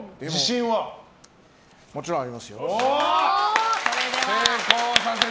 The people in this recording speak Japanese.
もちろんあります。